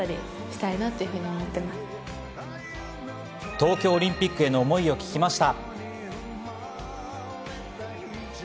東京オリンピックへの思いを聞きました。